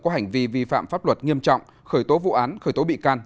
có hành vi vi phạm pháp luật nghiêm trọng khởi tố vụ án khởi tố bị can